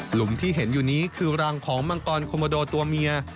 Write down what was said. หุมที่เห็นอยู่นี้คือรังของมังกรโคโมโดตัวเมีย